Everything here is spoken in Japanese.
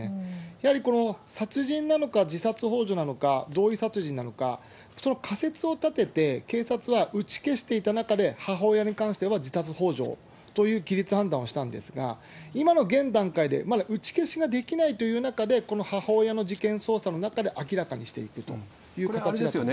やはり殺人なのか、自殺ほう助なのか、同意殺人なのか、その仮説を立てて、警察は打ち消していた中で、母親に関しては自殺ほう助というぎりつ判断をしたんですが、今の現段階でまだ打消しができないという中で、この母親の事件捜査の中で、明らかにしていくという形だと思います。